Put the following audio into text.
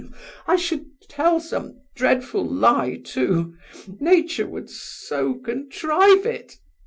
I should tell some dreadful lie too; nature would so contrive it!